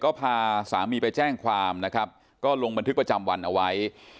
ก็พาสามีไปแจ้งความนะครับก็ลงบันทึกประจำวันเอาไว้